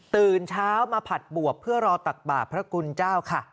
ตื่นเช้ามาผัดบวบเพื่อรอตักบาทพระคุณเจ้าค่ะ